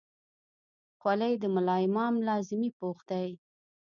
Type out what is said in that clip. خولۍ د ملا امام لازمي پوښ دی.